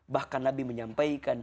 bahkan nabi menyampaikan